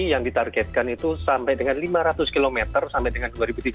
yang ditargetkan itu sampai dengan lima ratus km sampai dengan dua ribu tiga puluh